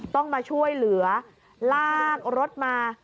ต้องมาช่วยเหลือลากรถมา